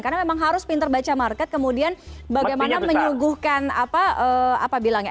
karena memang harus pinter baca market kemudian bagaimana menyuguhkan apa bilangnya